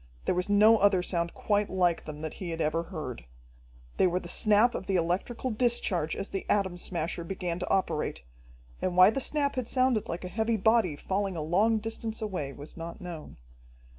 There was no other sound quite like them that he had ever heard. They were the snap of the electrical discharge as the Atom Smasher began to operate, and why the snap had sounded like a heavy body falling a long distance away, was not known.